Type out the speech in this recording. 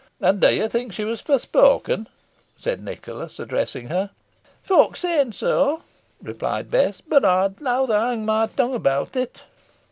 "And you think she was forespoken?" said Nicholas, addressing her. "Folk sayn so," replied Bess; "boh I'd leyther howd my tung about it."